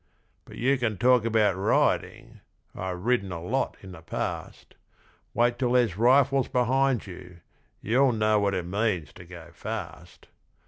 But you can talk about riding I've ridden a lot in the past Wait till there's rifles behind you, you'll know what it means to go fast!